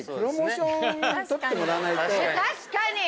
確かに！